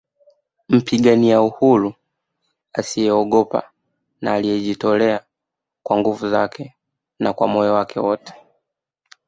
Mpigania uhuru asiyeogopa na aliyejitolea kwa nguvu zake na kwa moyo wake wote